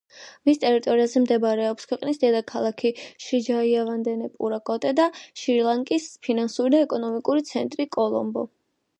მის ტერიტორიაზე მდებარეობს ქვეყნის დედაქალაქი შრი-ჯაიავარდენეპურა-კოტე და შრი-ლანკის ფინანსური და ეკონომიკური ცენტრი კოლომბო.